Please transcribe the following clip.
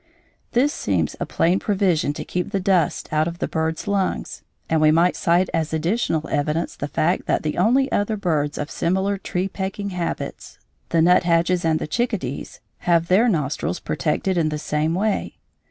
This seems a plain provision to keep the dust out of the bird's lungs; and we might cite as additional evidence the fact that the only other birds of similar tree pecking habits, the nuthatches and the chickadees, have their nostrils protected in the same way.